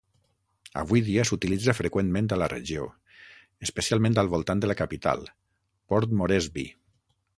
Avui dia s'utilitza freqüentment a la regió, especialment al voltant de la capital, Port Moresby.